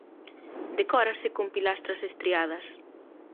Decórase con pilastras estriadas.